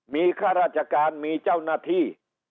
มีข้าราชการมีเจ้าหน้าที่